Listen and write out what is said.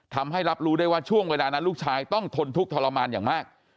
ทำให้รับรู้ได้ว่าช่วงเวลานั้นลูกชายต้องทนทุกข์ทรมานอย่างมาก